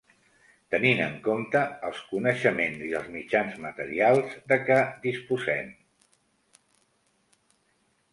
Tenint en compte els coneixements i els mitjans materials de què disposem...